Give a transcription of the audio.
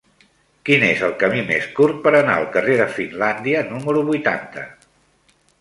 Quin és el camí més curt per anar al carrer de Finlàndia número vuitanta?